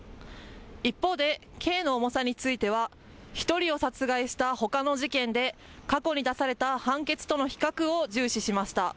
一方で刑の重さについては１人を殺害したほかの事件で過去に出された判決との比較を重視しました。